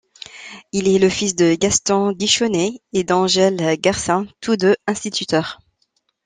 Il est le fils de Gaston Guichonnet et d'Angèle Garcin, tous deux instituteurs.